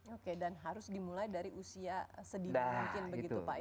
oke dan harus dimulai dari usia sedikit mungkin begitu pak ya